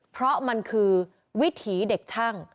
เพราะมันคือวิถีเด็กช่าง